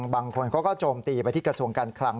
บางคนเขาก็โจมตีไปที่กระทรวงการคลัง